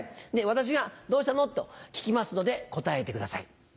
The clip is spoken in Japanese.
私が「どうしたの？」と聞きますので答えてください。